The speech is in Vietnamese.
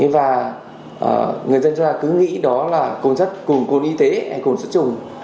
và người dân chúng ta cứ nghĩ đó là cồn sắt cồn cồn y tế hay cồn sắt chủng